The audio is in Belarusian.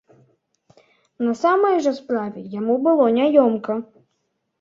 На самай жа справе яму было няёмка.